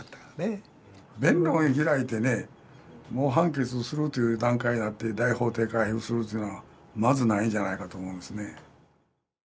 弁論開いてねもう判決するという段階になって大法廷回付するというのはまずないんじゃないかと思いますね。